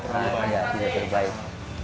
nah ini yang terbaik